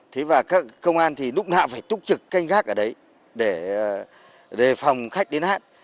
thế và các công an thì lúc nào phải túc trực canh gác ở đấy để phòng khách đến hát